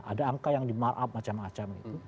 ada angka yang dimarap macam macam